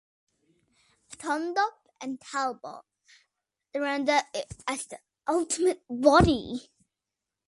Thondup and Talbott render it as the "ultimate body".